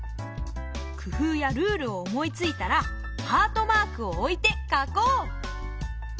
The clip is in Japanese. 工夫やルールを思いついたらハートマークを置いて書こう！